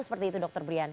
seperti itu dr brian